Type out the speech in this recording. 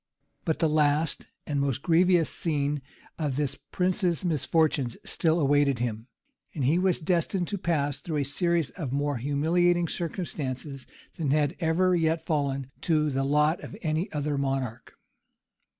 But the last and most grievous scene of this prince's misfortunes still awaited him; and he was destined to pass through a series of more humiliating circumstances than had ever yet fallen to the lot of any other monarch.